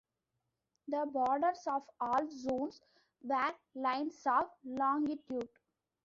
The borders of all zones were lines of longitude.